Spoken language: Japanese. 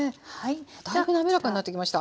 だいぶ滑らかになってきました。